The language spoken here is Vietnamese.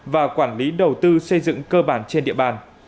và quản lý đầu tư xây dựng cơ bản trên địa bàn